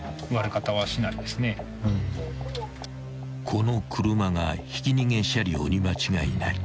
［この車がひき逃げ車両に間違いない］